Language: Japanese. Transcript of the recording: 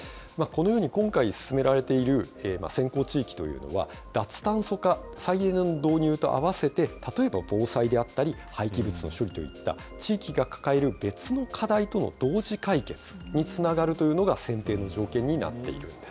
このように、今回進められている先行地域というのは、脱炭素化、再エネの導入とあわせて、例えば、防災であったり、廃棄物の処理といった、地域が抱える別の課題との同時解決につながるというのが選定の条